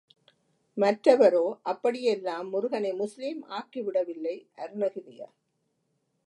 மற்றவரோ, அப்படியெல்லாம் முருகனை முஸ்லீம் ஆக்கிவிடவில்லை அருணகிரியார்.